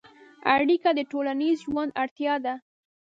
اړیکه د ټولنیز ژوند اړتیا ده.